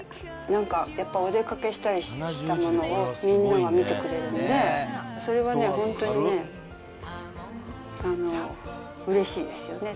なんか、やっぱお出かけしたりしたものをみんなが見てくれるんで、それはね、ほんとにね、うれしいですよね。